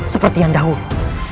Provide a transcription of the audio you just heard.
seperti yang dahulu